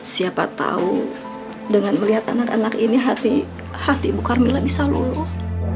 siapa tahu dengan melihat anak anak ini hati ibu carmila bisa luluh